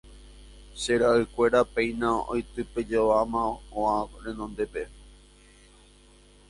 Che ra'ykuéra péina oitypeijoáma óga renonde.